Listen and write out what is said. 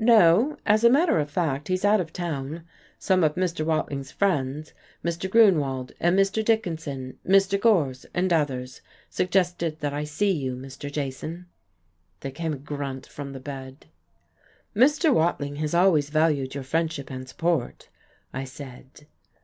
"No. As a matter of fact, he's out of town. Some of Mr. Watling's friends, Mr. Grunewald and Mr. Dickinson, Mr. Gorse and others, suggested that I see you, Mr. Jason." There came a grunt from the bed. "Mr. Watling has always valued your friendship and support," I said.